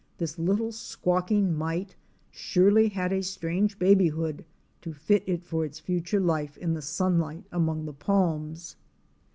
— this little squawking mite surely had a strange babyhood to fit it for its future life in the sunlight among the palms.